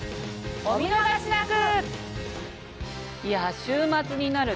お見逃しなく！